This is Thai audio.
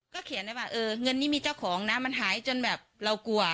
เขียนได้ว่าเออเงินนี้มีเจ้าของนะมันหายจนแบบเรากลัว